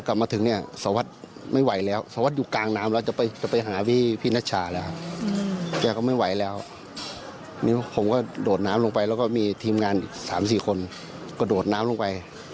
ก่อนที่สารวัตต้นจะจมหายไปต่อหน้าต่อตา